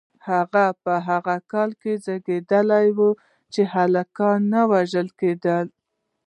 هغه په هغه کال کې زیږیدلی و چې هلکان نه وژل کېدل.